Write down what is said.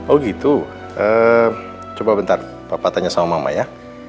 oh gitu coba bentar papa tanya sama mama ya